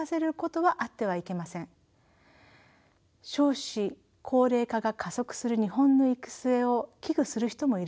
少子高齢化が加速する日本の行く末を危惧する人もいるでしょう。